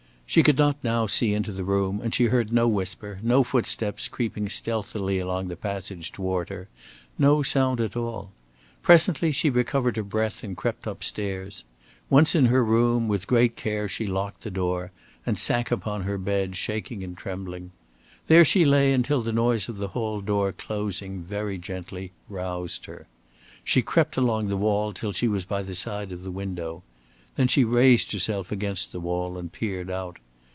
She could not now see into the room, and she heard no whisper, no footsteps creeping stealthily along the passage toward her, no sound at all. Presently she recovered her breath, and crept up stairs. Once in her room, with great care she locked the door, and sank upon her bed, shaking and trembling. There she lay until the noise of the hall door closing very gently roused her. She crept along the wall till she was by the side of the window. Then she raised herself against the wall and peered out.